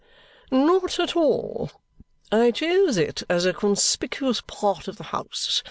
"Not at all. I chose it as a conspicuous part of the house.